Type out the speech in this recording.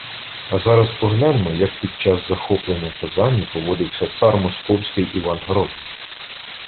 А зараз погляньмо, як під час захоплення Казані поводився «цар» Московський Іван Грозний